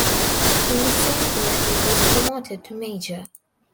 In the same year he was promoted to major.